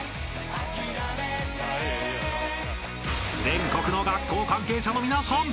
［全国の学校関係者の皆さん